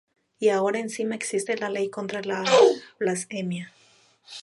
Y ahora encima existe la Ley contra la blasfemia.